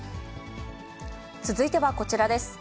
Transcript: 続いてはこちらです。